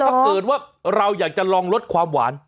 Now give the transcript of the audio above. ถ้าเกิดว่าเราอยากจะลองลดความหวาน